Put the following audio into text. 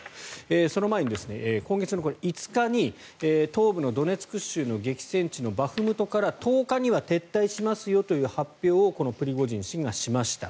その前に今月の５日に東部のドネツク州の激戦地のバフムトから１０日には撤退しますよという発表をこのプリゴジン氏がしました。